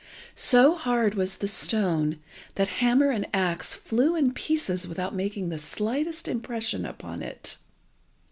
So hard was the stone that hammer and axe flew in pieces without making the slightest impression upon it.